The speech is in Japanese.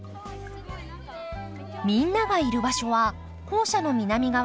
みんながいる場所は校舎の南側。